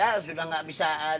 ya sudah gak bisa